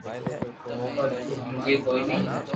پر تو ھمجي ڪوئي ني